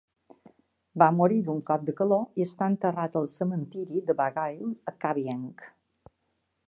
Va morir d'un cop de calor i està enterrat al cementiri de Bagail, a Kavieng.